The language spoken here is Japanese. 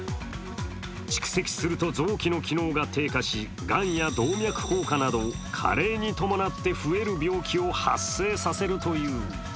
蓄積すると臓器の機能が低下しがんや動脈硬化など加齢に伴って増える病気を発生させるという。